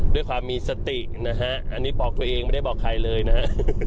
ด้วยความมีสตินะฮะอันนี้บอกตัวเองไม่ได้บอกใครเลยนะฮะ